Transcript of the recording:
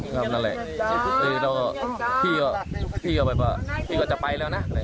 นั่นแหละแล้วพี่ก็แบบว่าพี่ก็จะไปแล้วนะ